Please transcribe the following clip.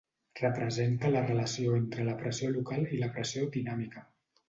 Representa la relació entre la pressió local i la pressió dinàmica.